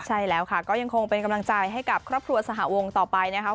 ใช่แล้วค่ะก็ยังคงเป็นกำลังใจให้กับครอบครัวสหวงต่อไปนะครับ